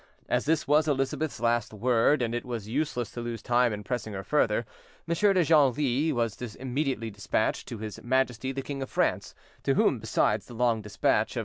As this was Elizabeth's last word, and it was useless to lose time in pressing her further, M. de Genlis was immediately despatched to his Majesty the King of France, to whom, besides the long despatch of M.